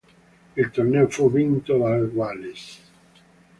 Il torneo fu vinto dal Galles.